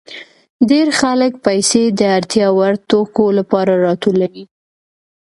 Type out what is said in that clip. ډېر خلک پیسې د اړتیا وړ توکو لپاره راټولوي